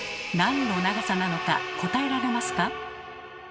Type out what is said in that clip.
なんの長さなのか答えられますか？